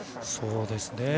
そうですね。